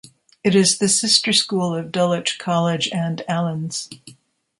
It is the sister school of Dulwich College and Alleyn's.